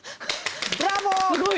ブラボー！